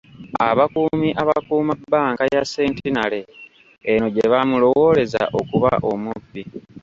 Abakuumi abakuuuma bbanka ya Centenary eno gye baamulowooleza okuba omubbi.